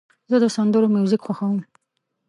زه د سندرو میوزیک خوښوم.